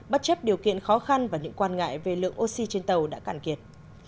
bất chấp điều kiện khó khăn và những quan ngại về lượng oxy trên tàu đã cạn kiệt